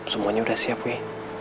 semuanya sudah siap wi